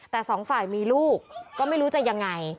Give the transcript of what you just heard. แต่สองฝ่ายมีลูกก็ไม่รู้จะยังไง